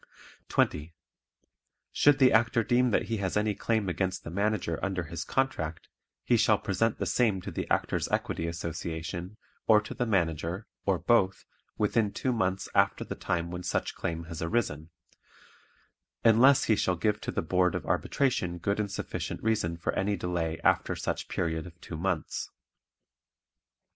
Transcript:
20. Should the Actor deem that he has any claim against the Manager under his contract he shall present the same to the Actors' Equity Association or to the Manager or both within two months after the time when such claim has arisen, unless he shall give to the Board of Arbitration good and sufficient reason for any delay after such period of two months.